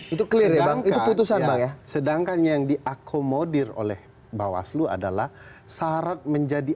dua ribu sembilan belas itu kelihatan itu putusan ya sedangkan yang diakomodir oleh bawah seluruh adalah syarat menjadi